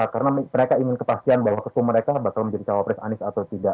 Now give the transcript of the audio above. karena mereka ingin kepastian bahwa keseluruhan mereka akan menjadi cawapres anis atau tidak